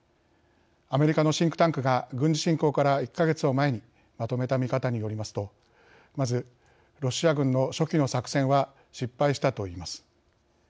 アメリカのシンクタンクが軍事侵攻から１か月を前にまとめた見方によりますとまずロシア軍の初期の作戦は失敗したといいます。